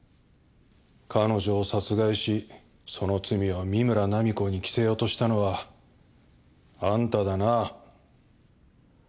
彼女を殺害しその罪を三村菜実子に着せようとしたのはあんただな？